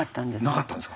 なかったんですか。